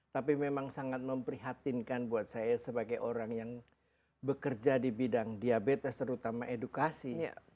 tapi memang sangat memprihatinkan buat saya sebagai orang yang bekerja di bidang diabetes terutama edukasi